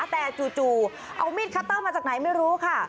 แต่จู่เอามีดคัตเตอร์มาจากไหนไม่รู้ค่ะ